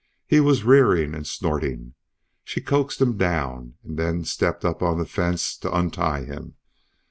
He was rearing and snorting. She coaxed him down and then stepped up on the fence to untie him.